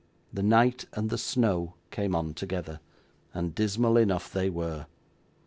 The night and the snow came on together, and dismal enough they were.